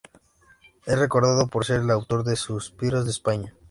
Es recordado por ser el autor de "Suspiros de España".